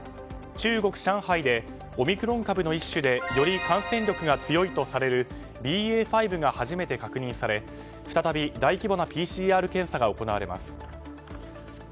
中国・上海でオミクロン株の一種でより感染力が強いとされるＢＡ．５が初めて確認され再び大規模なＰＣＲ検査が行われます。